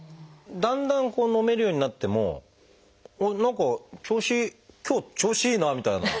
だんだん飲めるようになってもあっ何か調子今日調子いいなみたいな。